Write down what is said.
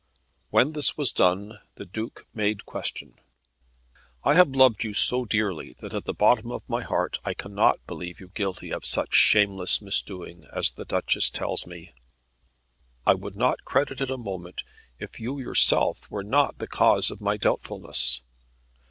When this was done the Duke made question, "I have loved you so dearly that at the bottom of my heart I cannot believe you guilty of such shameless misdoing as the Duchess tells me. I would not credit it a moment, if you yourself were not the cause of my doubtfulness.